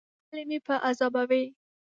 ولي مې په عذابوې ؟